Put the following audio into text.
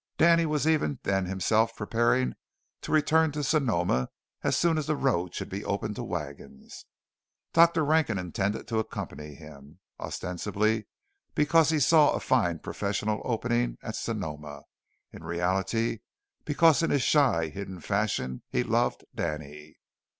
Danny was even then himself preparing to return to Sonoma as soon as the road should be open to wagons. Dr. Rankin intended to accompany him, ostensibly because he saw a fine professional opening at Sonoma, in reality because in his shy, hidden fashion he loved Danny.